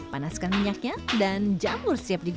panaskan minyaknya dan jamur siap digore